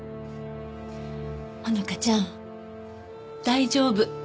穂花ちゃん大丈夫。